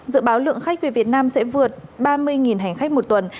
dự báo lượng khách về việt nam sẽ vượt ba mươi hành khách một tuần